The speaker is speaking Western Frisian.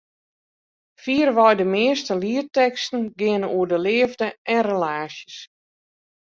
Fierwei de measte lietteksten geane oer de leafde en relaasjes.